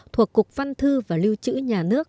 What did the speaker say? thuộc cục văn thư và lưu trữ nhà nước